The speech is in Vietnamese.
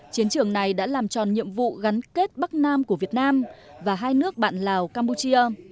chiến trường này đã làm tròn nhiệm vụ gắn kết bắc nam của việt nam và hai nước bạn lào campuchia